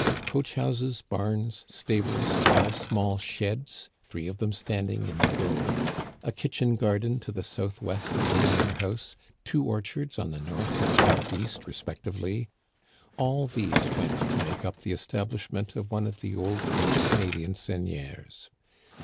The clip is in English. Coach houses, barns, stables, five small sheds (three of them standing in the grove), a kitchen garden to the southwest of the manor house, two orchards on the north and northeast, respectively — all these went to make up the establishment of one of the old French Canadian seigneurs.